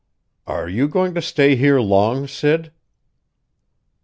"Are you going to stay here long, Sid?"